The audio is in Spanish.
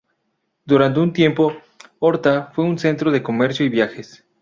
Durante un tiempo, Horta fue un centro de comercio y viajes.